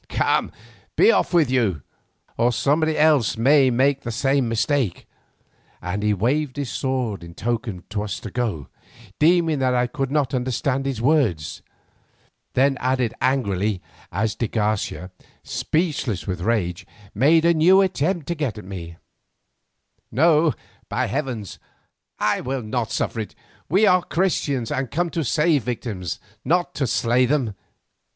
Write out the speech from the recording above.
Come, be off both of you, or somebody else may make the same mistake," and he waved his sword in token to us to go, deeming that I could not understand his words; then added angrily, as de Garcia, speechless with rage, made a new attempt to get at me: "No, by heaven! I will not suffer it. We are Christians and come to save victims, not to slay them.